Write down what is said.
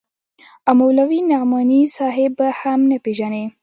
او مولوي نعماني صاحب به هم نه پېژنې.